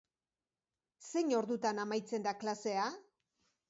Zein ordutan amaitzen da klasea?